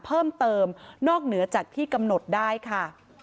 เพิ่มเติมนอกเหนือจากที่กำหนดได้ค่ะ